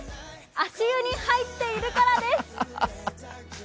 足湯に入っているからです。